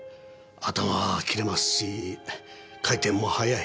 頭は切れますし回転も早い。